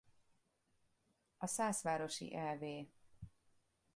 A szászvárosi ev.